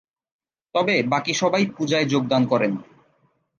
তবে বাকি সবাই পূজায় যোগদান করেন।